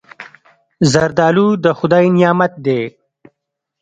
زردالو د خدای نعمت دی.